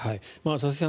佐々木さん